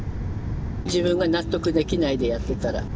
自分が納得できないでやってたら。